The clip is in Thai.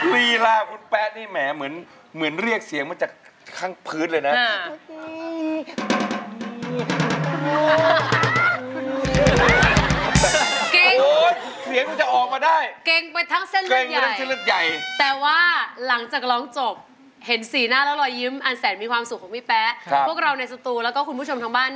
ลีลาคุณแป๊ะนี่แหมเหมือนเรียกเสียงมาจากข้างพื้นเลยนะ